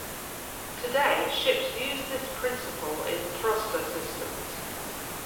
Today, ships use this principle in thruster systems.